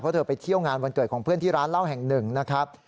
เพราะเธอไปเที่ยวงานวันเกิดของเพื่อนที่ร้านเหล้าแห่งหนึ่งนะครับ